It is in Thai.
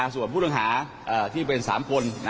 ส่วนผู้ต้องหาที่เป็น๓คน